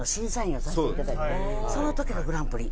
その時のグランプリ。